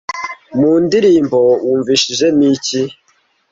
Mu ndirimbo wumvishijemo iki?